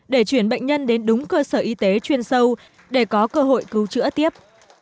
để chuyển bệnh nhân đến đúng cơ sở y tế chuyên sâu để có cơ hội cứu chữa tiếp